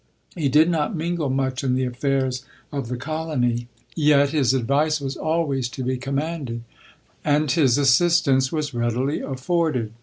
He did not mingle much in the affairs of the 14 LODORK. colony, yet his advice was always to be com manded, and his assistance was readily afforded.